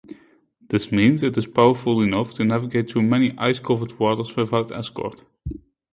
This means it is powerful enough to navigate through many ice-covered waters without escort.